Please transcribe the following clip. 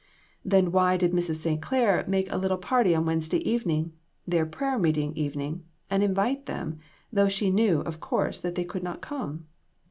Then why did Mrs. St. Clair make a little party on Wednesday evening their prayer meeting evening and invite them, though she knew, of course, that they could not come